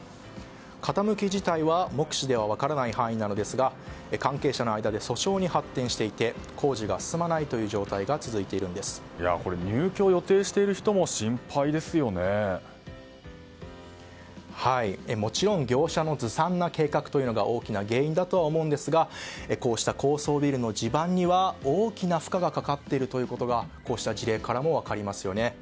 傾き自体は目視では分からない範囲なんですが関係者の間で訴訟に発展していて工事が進まない状態が入居を予定している人ももちろん、業者のずさんな計画が大きな原因だとは思うんですがこうした高層ビルの地盤には大きな負荷がかかっているのがこうした事例からも分かりますね。